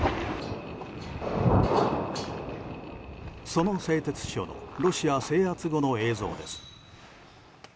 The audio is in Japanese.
その製鉄所のロシア制圧後の映像です。